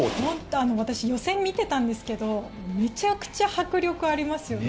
私予選を見ていたんですけどめちゃくちゃ迫力あります。